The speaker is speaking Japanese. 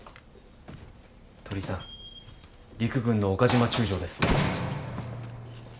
鳥居さん陸軍の岡島中将です。